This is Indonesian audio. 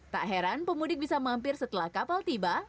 tak heran pemudik bisa mampir setelah kapal tiba